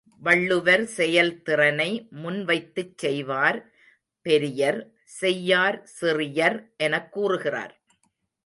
வள்ளுவர் செயல்திறனை முன்வைத்துச் செய்வார் பெரியர் செய்யார் சிறியர் எனக் கூறுகிறார்.